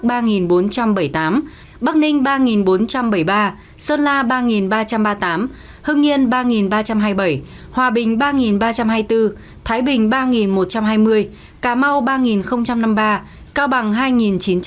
bắc ninh ba bốn trăm bảy mươi ba sơn la ba ba trăm ba mươi tám hưng yên ba ba trăm hai mươi bảy hòa bình ba ba trăm hai mươi bốn thái bình ba một trăm hai mươi cà mau ba năm mươi ba cao bằng hai chín trăm tám mươi